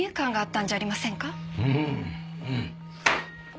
うんうん。